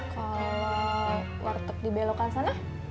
kalau warteg di belokan sana